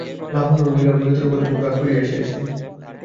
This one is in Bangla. লাবণ্য ও লীলাও ললিতার উপরে খুব রাগ করিয়া আসিয়াছিল।